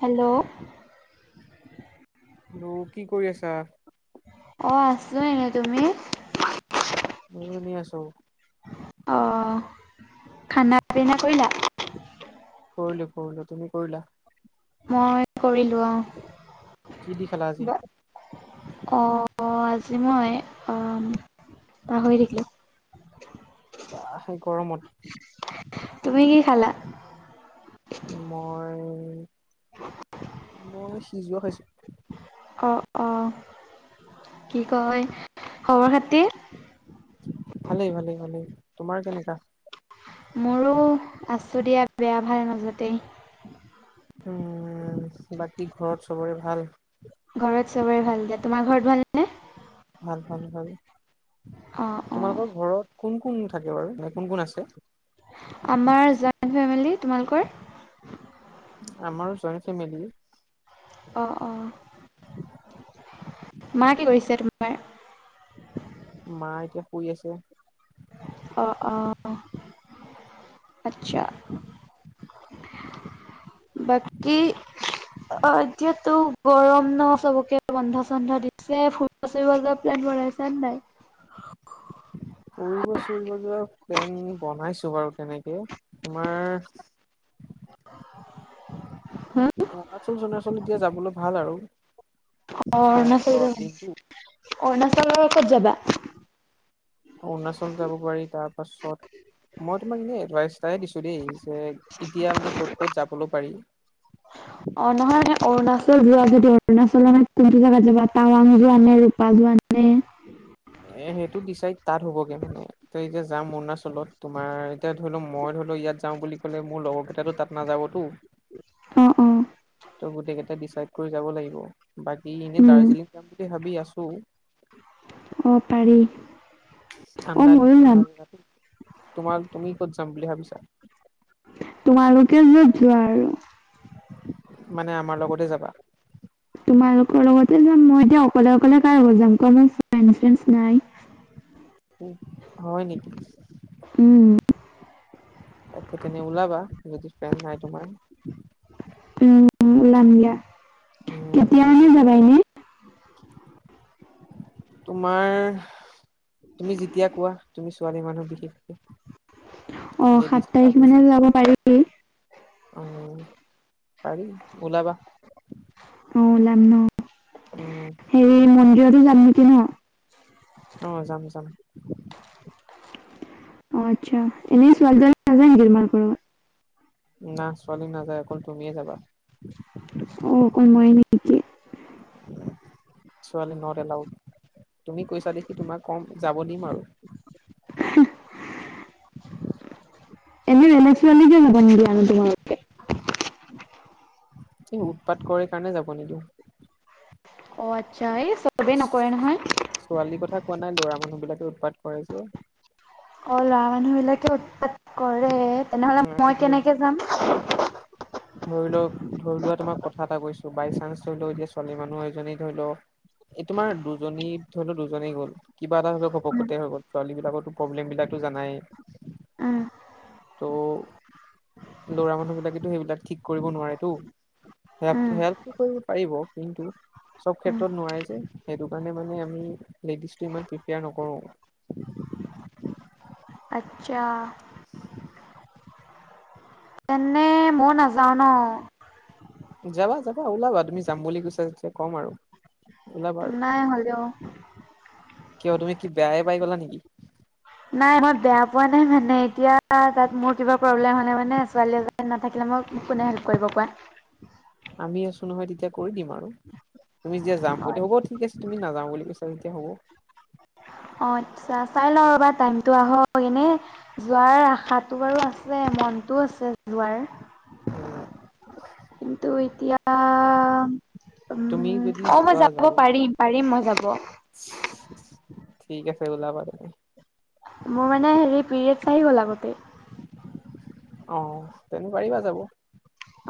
হে'লো। [unintelligible] কি কৰি আছা। অ আছোঁ এনে তুমি। মইও এনে আছোঁ। অ খানা পিনা কৰিলা। কৰিলোঁ কৰিলোঁ তুমি কৰিলা। মই কৰিলোঁ অ। কি দি খালা আজি? [unintelligible] অ আজি মই অ পাহৰি থাকিলো। [unintelligible] বাহ এই গৰমত। তুমি কি খালা। মই মই সিজোৱা খাইছোঁ। অ, অ কি কয় খবৰ খাতি। ভালেই ভালেই ভালেই তোমাৰ কেনেকুৱা? মোৰো আছো দিয়া বেয়া ভাল মাজতেই। উম, বাকী ঘৰত চবৰে ভাল। ঘৰত চবেই ভাল দিয়া তোমাৰ ঘৰত ভাল ভাল ভাল ভাল। অ'। অ তোমালোকৰ ঘৰত কোন কোন থাকে বাৰু নে কোন কোন আছে? আমাৰ যোইন ফেমিলি, তোমালোকৰ? আমাৰ যোইন ফেমেলি। অ, অ' মা কি কৰিছে তোমাৰ? মা এতিয়া শুই আছে। অ', অ' আচ্ছা। বাকী অ' এতিয়াতো গৰম ন চবকে বন্ধ-চন্ধ দিছে ফু ওচৰে-পাঁজৰে প্লেন বনাইছ নে নাই? ফুৰিব চুৰিব যোৱা প্লেন বনাইছো বাৰু তেনেকে তোমাৰ [unintelligible] অৰুণাচল-চৰুণাচল এতিয়া যাবলৈ ভাল আৰু। অ' অৰুণাচল গৰম যাব দিনটো। অৰুণাচলৰ ক'ত যাবা? অৰুণাচল যাব পাৰি তাৰ পাছত মই তোমাক এনেই এডভাইচটাই দিছোঁ দেই যে এতিয়া মানে ক'ত ক'ত যাবলৈও পাৰি। অ' নহয় অৰুণাচল যোৱা যদি অৰুণাচল নে কোনটো জেগাত যাবা টাৱাং যোৱা নে ৰূপা যোৱা নে এ সেইটো ডিচাইড তাত হ'বগে মানে ত যে যাম অৰুণাচলত। তোমাৰ এতিয়া ধৰি লও মই ধৰি লও ইয়াত যাওঁ বুলি ক'লে মোৰ লগৰ কেইটো তাত নাযাবতো। উম, উম। ত' গোটেই কেইটা ডিচাইড কৰি যাব লাগিব বাকী এনেই উম দাৰ্জিলিং যাম বুলি ভাবি আছো। অ' পাৰি। অ ঠাণ্ডা ময়ো যাম [unintelligible] তোমাৰ তুমি ক'ত যাম বুলি ভাবিছা? তোমালোকে য'ত যোৱা আৰু। মানে আমাৰ লগতে যাবা? তোমালোকৰ লগতে যাম মই এতিয়া অকলে অকলে কাৰ লগত যাম [unintelligible] নাই। উ হয় নেকি। উম। তাকে তেনে ওলাবা যদি ফেন নাই তোমাৰ। উম-উম ওলাম দিয়া। কেতিয়া মানে যাবা এনে? উম, উম। তোমাৰ তুমি যেতিয়া কোৱা তুমি ছোৱালী মানুহ অ বিশেষকে সাত লেডিজ তাৰিখ ফাৰ্ষ্ট। মানে যাব পাৰি। উ, পাৰি ওলাবা। অ' ওলাম ন'? উম। হেৰি মন্দিৰতো যাম নেকি ন'! অ' যাম যাম। অ' আচ্ছা এনেই ছোৱালী [unintelligible] নাজায় নেকি তোমালোকৰ লগত? না ছোৱালী নাযায় অকল তুমিয়ে যাবা। অ' অকণ ময়ে নে নেকি। ছোৱালী নট এলাউড। তুমি কৈছা দেখি তোমাক কম যাব দিম আৰু। এনে বেলেগ ছোৱালী কিয় [unintelligible] এই, উৎপাত কৰে কাৰণে যাব নিদো। অ', আচ্ছা, এই চবতে নকৰে নহয়। ছোৱালীৰ কথা, কোৱা নাই ল'ৰা মানুহ বিলাকে উৎপাত কৰাই যে। অ', ল'ৰা মানুহ বিলাকে উৎপাত কৰে, তেনেহলে আকৌ মই ধৰি কেনেকে যাম। ধৰি লওক, ধৰি লোৱা তোমাক কথা এটা কৈছো, বাই চানস ধৰি লও এতিয়া ছোৱালী মানুহ এজনী ধৰি লওক এই তোমাৰ দুজনী ধৰি লও দুজনী গ'ল কিবা এটা হৈতো উম ঘপকে হৈ গল, ছোৱালী বিলাকৰতো প্ৰব্লেম বিলাকতো জানাই উম, ত' লৰা মানুহ বিলাকেতো সেইবিলাক ঠিক কৰিব নোৱাৰেটো। হেল্প উম -হেল্পটো কৰিব পাৰিব কিন্তু, চব উম ক্ষেত্ৰত নোৱাৰে যে, সেইটো কাৰণে মানে আমি লেডিজ টো ইমান প্ৰিপেয়াৰ নকৰো। আচ্ছা [unintelligible] তেনে মই নাযাওঁ ন, যাবা, যাবা, ওলাবা, তুমি যাম বুলি কৈছা যেতিয়া ক'ম আৰু ওলাবা আৰু, নাই হ'লেও কিয়? তুমি কি বেয়াই পাই গলা নেকি? নাই মই বেয়া পোৱা নাই মানে, এতিয়া তাত মোৰ কিবা প্ৰব্লেম হলে মানে ছোৱালী নাথাকিলে মই, কোনে হেল্প কৰিব পোৱা আমি আছো নহয়, তেতিয়া কৰি দিম আৰু তুমি যেতি যাম বুলি, হ'ব ঠিক আছে তুমি নাযাম বুলি কৈছা যেয়া হ'ব। অ', আচ্ছা, চাই লওঁ ৰ'বা টাইমতটো আহক এনে যোৱাৰ আশা বাৰু আছে, মনটোও আছে যোৱাৰ অ', কিন্তু এতিয়া, তুমি উম, যদি অ', মই যোৱা যাব পাৰিম। পাৰিম মই যাব। ঠিক আছে, ওলাবা তাকে মোৰ মানে, হেৰি পিৰিয়ডছ আহি গ'ল আগতে অ ', তেনে পাৰিবা যাব।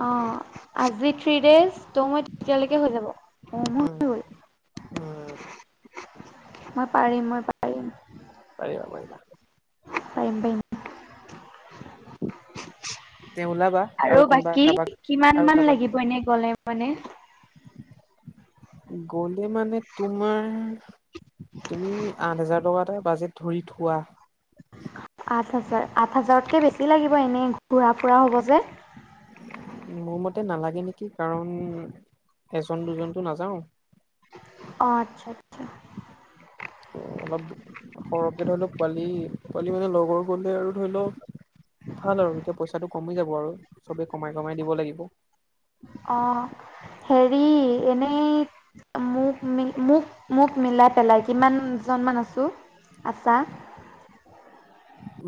অ', আজি থি ডেজ, ত মই তেতিয়ালৈকে হৈ যাব অ মই উম হল। উম, মই, পাৰিম মই পাৰিম পাৰিবা, পাৰিবা পাৰিম, পাৰিম। তে ওলাবা আৰু কোনোবা বাকী, কাৰোবাক কিমান আৰু মান, কাৰোবাক লাগিব এনে গ'লে মানে গলে মানে, তোমাৰ তুমি আঠ হাজাৰ টকা এটা, বাজেট ধৰি থোৱা। আঠ হাজাৰ, আঠ হাজাৰতকে বেছি লাগিব, এনেই ঘুৰা ফুৰা হ'ব যে মোৰ মতে নালাগে নেকি, কাৰণ এজন দুজনতো নাযাও অ', আচ্ছা, ত অলপ সৰহকে ধৰি লও পোৱালি, পোৱালি মানে, লগৰ গলে আৰু ধৰি লও ভাল আৰু, এতিয়া পইচাটো কমি যাব, আৰু চবেই কমাই কমাই দিব লাগিব। অ', হেৰি এনেই মোক, ম মোক, মোক মিলাই পেলাই কিমানজন মমান আছো আছা? [unintelligible]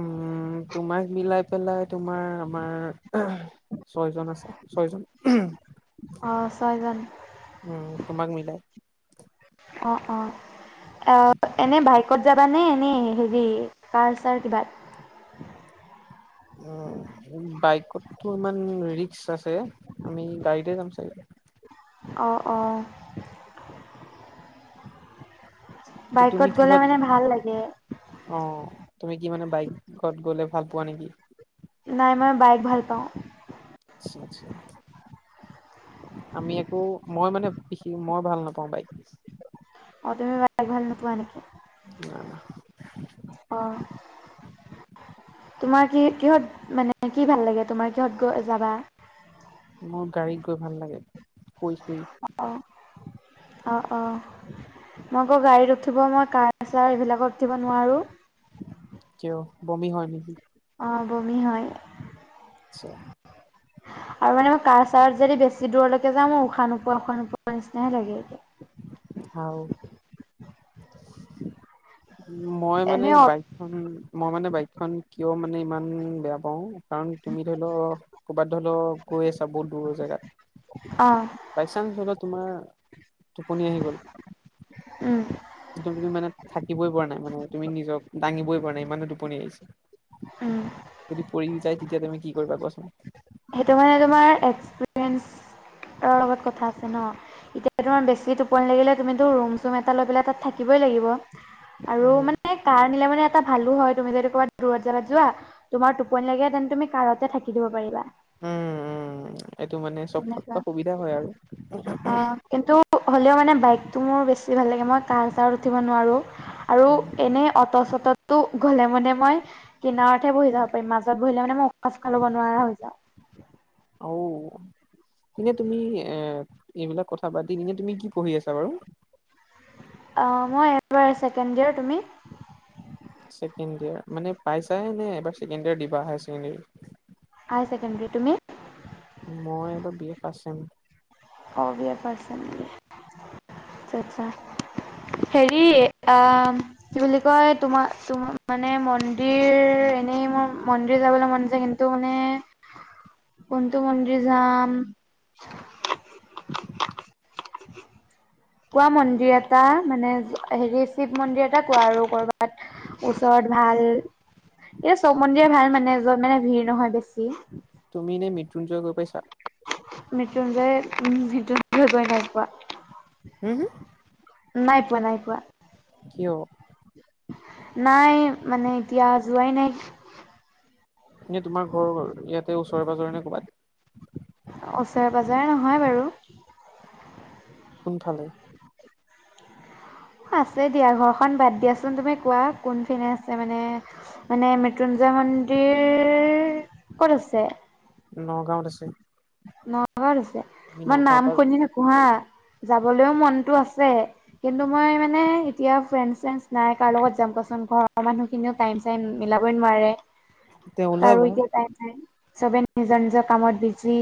উম, মোক মিলাই পেলাই তোমাৰ আমাৰ ছয়জন, আছে ছয়জন অ ছয়জন উম, তোমাক মিলাই অ', আহ এনে ভাই ত যাবা নে, এ হেৰি কাৰ ছাৰ কিবা উ বাইকতটো ইমান ৰিস্ক আছে আমি গাড়ীতে যাম চাগে, অ, অ, ত' তুমি বাইকত গ'লে কিহত মানে ভাল লাগে। অ, তুমি কি মানে বাইকত গলে ভাল পোৱা নেকি? নাই মই বাইক ভাল পাওঁ। আচছা আচ্ছা আমি আকৌ মই মানে কি মই ভাল নাপাওঁ বাইক। অ, তুমি [inaudible] ভাল নোপোৱা নেকি? না না। অ, তোমাৰ কি কিহত মানে কি ভাল লাগে তোমাৰ কিহত গ যাবা? মোৰ গাড়ীত গৈ ভাল লাগে, শুই শুই। অ, অ, মই আকৌ গাড়ীত উঠিব মই কাৰ চাৰ এইবিলাকত উঠিব নোৱাৰোঁ। কিয় বমি হয় নেকি? অ, বমি হয়। আচ্ছা। আৰু মানে মই কাৰ চাৰত যদি বেছি দূৰলৈকে যা মই উশাহ নোপোৱা উশাহ নোপোৱাৰ নিচিনাহে লাগে এতিয়া। উ, মই মানে এনে অ', বাইক উ মই মানে বাইকখন কিয় মানে ইমান বেয়া পাওঁ কাৰণ তুমি ধৰি লও ক'ৰবাত ধৰি লও গৈ আছা বহুত দূৰৰ জেগাত, অ, বাই চান্স হলে তোমাৰ টোপনি আহি গ'ল? উম, তুমি মানে থাকিবই পৰা নাই মানে তুমি নিজক দাঙিবই পৰা নাই ইমানো টোপনি আহিছে, উম, যদি পঢ়ি যায় তেতিয়া তুমি কি কৰিবা কোৱাচোন? সেইটো মানে তোমাৰ এক্সপিৰিয়েঞ্চৰ লগত কথা আছে ন। এতিয়া তোমাৰ বেছি টোপনি লাগিল তুমিতো ৰুম চুম এটা লৈ পেলাই তাত থাকিবই লাগিব। আৰু উম মানে কাৰনিলে মানে এটা ভালো হয় তুমি যদি ক'ৰবাত দূৰত যাবাত যোৱা, তোমাৰ টোপনি লাগে তেন্তে তুমি কাৰতে থাকি দিব পাৰিবা। সটো মানে চব থ তেনেকুৱা সুবিধা হয় আৰু। অ কিন্তু হ'লেও মানে বাইকতটো মোৰ বেছি ভাল লাগে মই কাৰ চাৰ উঠিব নোৱাৰোঁ আৰু উম এনেই অ'টো' চ'টটো গ'লে মানে মই কিনাৰতহে বহি যাব পাৰি মাজত বহিলে মানে মই সসচ খাব নোৱাৰা হৈ যাওঁ। অ, এনে তুমি এ-এইবিলাক কথা পাতি এনে তুমি কি পঢ়ি আছা বাৰু? অ, মই এবাৰ ছেকেণ্ড ইয়েৰ, তুমি? ছেকেণ্ড ইয়াৰ মানে পাইছে নে? এবাৰ কেণ্ড ইয়াৰ দিবা হায় ছেকেণ্ডাৰী? হাই ছেকেণ্ডাৰী, তুমি? মই এইবাৰ বি এ ফাৰ্ষ্ট চেম। [inaudible] [inaudible] আচ্ছা আচ্ছা হেৰি আ, কি বুলি কয় তোমাৰ তো মানে মন্দিৰ এনেই মোৰ মন্দিৰ যাবলৈ মনছে কিন্তু ত মানে কোনটো মন্দন্দিৰ যাম [inaudible] কোৱা মন্দিৰ এটা মানে হেৰি শিৱ মন্দিৰ এটা কোৱা আৰু কৰবাত। ওচৰত ভাল এ চব মন্দিৰ ভাল মানে যত মানে ভিৰ নহয় বেছি। তুমি এনেই মৃত্যুঞ্জয় গৈ পাইছা? মৃত্যুঞ্জয়, মূত্যুঞ্জয় গৈ ভাল পোৱা? হুম হু। নাই পোৱা নাই পোৱা। কিয়? নাই মানে এতিয়া যোৱাই নাই। এনে তোমাৰ ঘৰৰ ইয়াতে ওচৰে পাজৰে ক'ৰবাত? ওচৰে পাজৰে নহয় বাৰু। কোনফালে? আছে দিয়া ঘৰখন বাদ দিয়াচোন তুমি কোৱা কোনফিনে আছে মানে মানে মৃত্যুঞ্জয় মন্দিৰ ক'ত আছে নগাঁওত আছে। নগাঁৱত আছে তুমি মই নগাঁৱৰ নাম পৰা শুনি থাকো হা' যাবলৈও মনতটো আছে। কিন্তু মই মানে এতিয়া ফ্ৰেণ্ড চেৰন নাই কাৰ লগত যাম কচোন ক। ঘৰৰ মানুহখিনিয়েও তাইম ছাইম মিলাবৈ নোৱাৰে। এতিয়া তাৰো ওলাবা এতিয়া টাইম নাই। নিজৰ নিজৰ কামত বিজি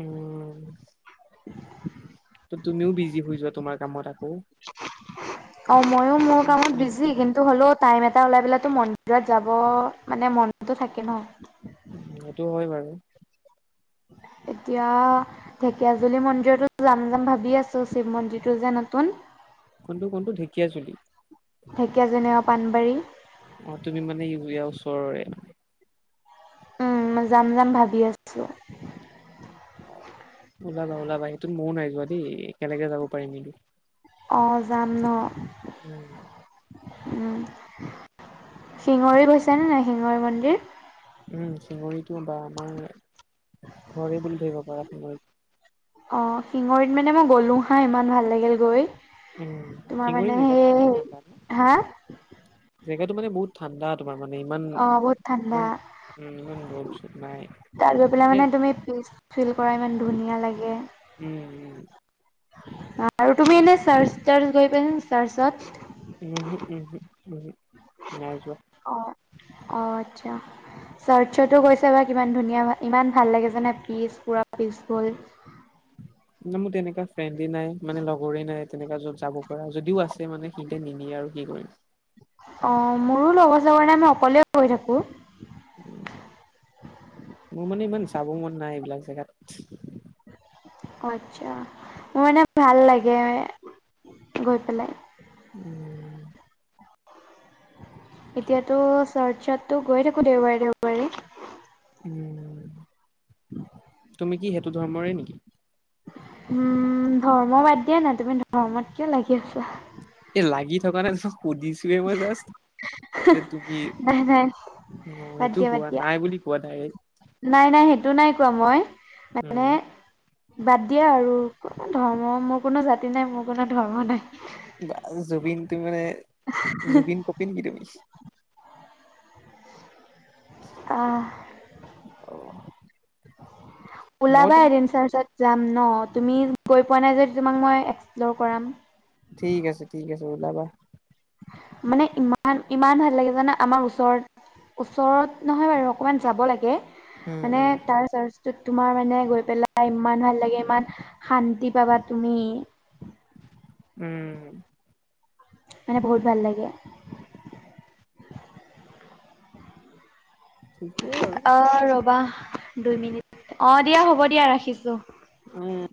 উম তু তুমিও বিজি হৈ যোৱা তোমাৰ কামত আকৌ অ' মইয়ো মোৰ কামত বিজি, কিন্তু হ'লে টাইম এটা ওলাই পেলাই মন্দিৰত যাব মানে মনতো থাকে ন? উম সেইটো হয় বাৰু। এতিয়া ঢেকীয়াজুলি মন্দিৰতো যাম যাম ভাবি আছো, শিৱ মন্দিৰটো যে নতুন কোনটো কোনটো ঢেকীয়াজুলি? ঢেকীয়াজুলি পাণবাৰী অ' তুমি মানে ইয়াৰ ওচৰৰে। উম মই যাম যাম ভাবি আছোঁ। ওলাবা ওলাবা সেইটোত ময়ো নাই যোৱা দেই একেলগে যাব পাৰিম এইতোট। অঁ যাম ন? উম। উম, শিঙৰি গৈছে নে নাই শিঙৰী মন্দিৰ? উম, শিঙৰীটো বা আমাৰ ঘৰে বুলি ধৰিব পাৰা। শিঙৰী অঁ শিঙৰীত মানে মই গ'লোঁ হাঁ ইমান ভাল লাগিল গৈ। উম, তোমাৰ মানে শিঙৰি জেগাতো সেই বহুত ঠাণ্ডা ন হা জেগাতটো মানে বহুত ঠাণ্ডা তোমাৰ মানে ইমান অ বহুত ঠাণ্ডা ইমান ৰ'দ চদ নাই। সেইফালে মানে তুমি ফিল কৰা ইমান ধুনীয়া লাগে উম। আৰু তুমি এনেই চাৰ্চ টাৰ্চ গৈ পাইছা চাৰ্চত? উম হু, উম হু, উম হু নাই যোৱা। অ', অ' আচ্ছা। চাৰ্চচটো গৈছে বা কিমান ধুনীয়া ইমান ভাল লাগে জানা পিচ পুৰা পিচফুল। না মোৰ তেনেকা ফ্ৰেণ্ডে নাই মানে লগৰে নাই, তেনেকুৱা য'ত যাব পৰা যদিও আছে মানে সিহ'তে নিনিয়ে আৰু কি কৰিম। অঁ মোৰো লগৰ চাগৰ নাই মই অকলেই গৈ থাকোঁ। মোৰ মানে ইমান যাব মন নাই এইবিলাক জেগাত। আচ্ছা, মোৰ মানে ভাল লাগে গৈ পেলাই। উম। এতিয়াতো চাৰ্চটটো গৈ থাকো দেওবাৰে দেও উম তুমি কি সেইটো ধৰ্মৰে নেকি? উম ধৰ্ম বাদ দিয়া নাই তুমি ধৰ্মত কিয় লাগি আছা। এ লাগি থকা নাই সুধিছোৱে মই জাষ্ট যে তুমি নাই নাই অ' বাদ এইটো দিয়া বাদ কোৱা দিয়া নাই বুলি কোৱা ডাইৰেক্ট নাই নাই সেইটো নাই কোৱা মই মানে উম। বাদ দিয়া আৰু কোনো ধৰ্ম মোৰ কোনো জাতি নাই মোৰ কোনো ধৰ্ম নাই। বা জুবিন তুমি মানে জুবিন কপি নেকি তুমি আহ। অ'। মই ওলাবা তোমাৰ এদিন চাৰ্চত যাম ন তুমি গৈ পোৱা নাই য তোমাক মই এক্সপ্ল'ৰ কৰাম। ঠিক আছে ঠিক আছে ওলাবা। মানে ইমান ইমান ভাল লাগে জানে আমাৰ ওচৰত ওচৰত নহয় বাৰু অকমান যাব লাগে উম মানে উম তাৰ 'ত তোমাৰ মানে গৈ পেলাই ইমান ভাল লাগে ইমান শান্তি পাবা তুমি উম। মানে বহুত ভাল লাগে। ঠিকেই বাৰু অ' ৰবা দুই মিনিট অ দিয়া হ'ব দিয়া ৰাখিছো। উম।